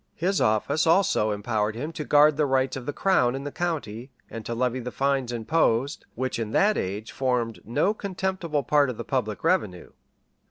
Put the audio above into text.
[*] His office also impowered him to guard the rights of the crown in the county, and to levy the fines imposed, which in that age formed no contemptible part of the public revenue.